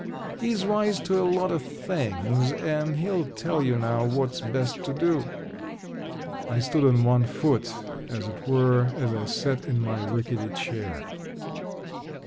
"He's wise to a lot of things, and he'll tell you now what's best to do." I stood on one foot, as it were, as I sat in my rickety chair.